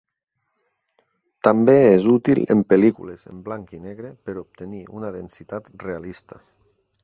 També és útil en pel·lícules en blanc i negre per obtenir una densitat realista.